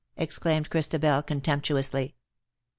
ex claimed Christabel, contemptuously.